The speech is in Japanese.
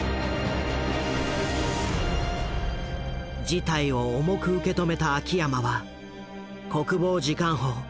事態を重く受け止めた秋山は国防次官補